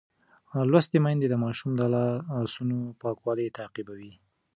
لوستې میندې د ماشوم د لاسونو پاکوالی تعقیبوي.